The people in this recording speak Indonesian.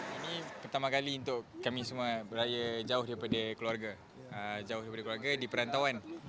ini pertama kali untuk kami semua berada jauh dpd keluarga jauh dari keluarga di perantauan